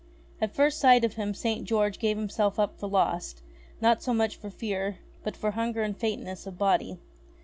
At first sight of him St. George gave himself up for lost, not so much for fear, but for hunger and faintness of body.